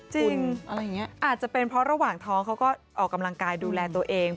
อาจจะเป็นเพราะระหว่างท้องเขาก็ออกกำลังกายดูแลตัวเอง